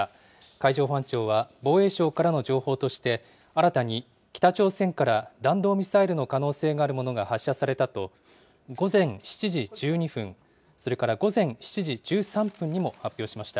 海上保安庁は防衛省からの情報として、新たに北朝鮮から弾道ミサイルの可能性があるものが発射されたと、午前７時１２分、それから午前７時１３分にも発表しました。